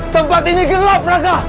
tempat ini gelap raka